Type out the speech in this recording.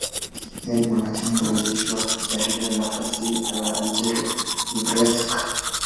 Yeye ni mwanachama mwanzilishi wa jarida la fasihi la Algeria, L'Ivrescq.